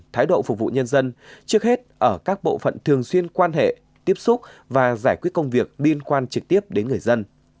thái độ phục vụ nhân dân trước hết ở các bộ phận thường xuyên quan hệ tiếp xúc và giải quyết công việc liên quan trực tiếp đến người dân